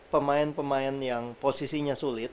pemain pemain yang posisinya sulit